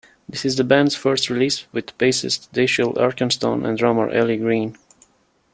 This is the band's first release with bassist Dashiell Arkenstone and drummer Eli Green.